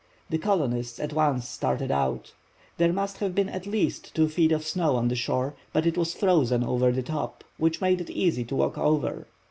The colonists at once started out. There must have been at least two feet of snow on the shore, but it was frozen over the top, which made it easy to walk over.